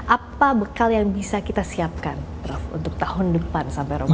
apa bekal yang bisa kita siapkan prof untuk tahun depan sampai ramadan